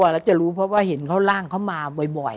แล้วจะรู้เพราะว่าเห็นเขาร่างเขามาบ่อย